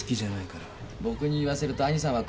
僕に言わせると兄さんは暗すぎるよ。